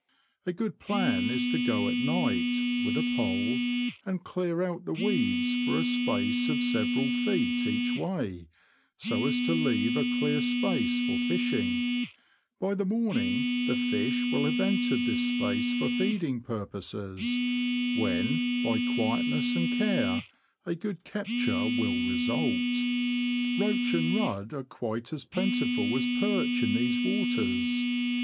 A good plan is to go at night, with a pole, and clear out the weeds for a space of several feet each way, so as to leave a clear space for fishing ; by the morning the fish will have entered this space for feeding purposes, when, by quietness and care, a good capture will result. Roach and rudd are quite as plentiful as perch in these waters.